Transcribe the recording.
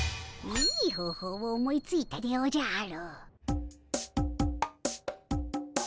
いい方法を思いついたでおじゃる！